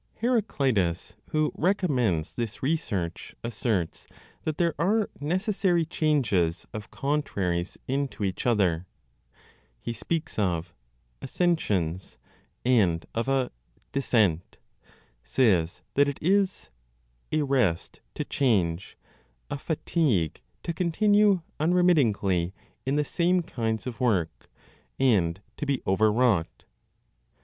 Heraclitus, who recommends this research, asserts that "there are necessary changes of contraries into each other;" he speaks of "ascenscions" and of a "descent," says that it is "a rest to change, a fatigue to continue unremittingly in the same kinds of work, and to be overwrought.